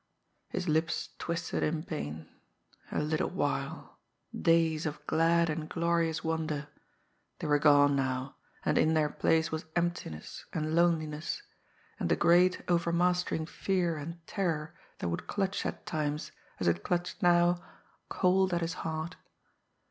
His lips twisted in pain. A little while! Days of glad and glorious wonder! They were gone now; and in their place was emptiness and loneliness and a great, overmastering fear and terror that would clutch at times, as it clutched now, cold at his heart.